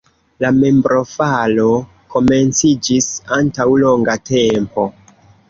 La membrofalo komenciĝis antaŭ longa tempo.